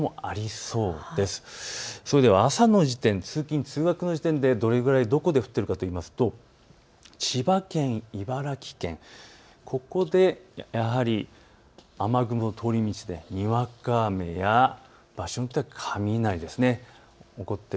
それでは朝の時点、通勤通学の時点でどれくらいどこで降っているかといいますと千葉県、茨城県、ここで雨雲の通り道で、にわか雨や場所によっては雷ですね。